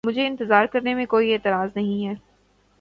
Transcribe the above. مجھے اِنتظار کرنے میں کوئی اعتراض نہیں ہے۔